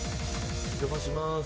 お邪魔します